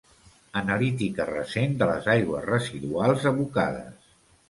Analítica recent de les aigües residuals abocades.